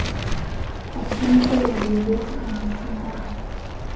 asante wagazeti unasemaje